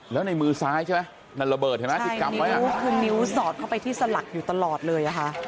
แล้วในมือซ้ายใช่ไหมนั่นระเบิดใช่ไหมนิ้วสอดเข้าไปที่สลักอยู่ตลอดเลยค่ะ